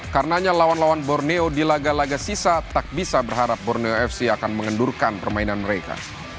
karenanya lawan lawan borneo di laga laga sisa tak bisa berharap borneo fc akan mengendurkan permainan mereka